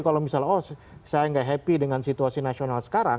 kalau misalnya saya nggak happy dengan situasi nasional sekarang